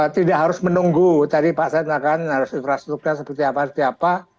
tidak harus menunggu tadi pak said bilangkan harus infrastruktur seperti apa apa